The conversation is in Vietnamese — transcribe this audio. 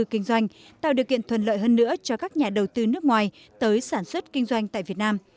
kinh doanh tạo điều kiện thuận lợi hơn nữa cho các nhà đầu tư nước ngoài tới sản xuất kinh doanh tại việt nam